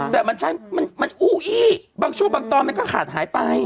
แต่มันอู้อี้บางช่วงบางตอนมันก็ขาดหายไป